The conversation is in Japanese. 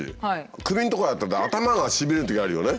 首のとこへやってると頭がしびれるときあるよね。